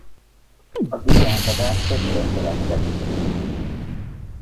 A díjátadást többször követte vita.